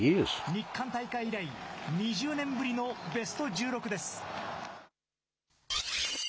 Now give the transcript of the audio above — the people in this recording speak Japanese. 日韓大会以来、２０年ぶりのベスト１６です。